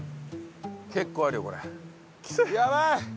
結構あるよこれ。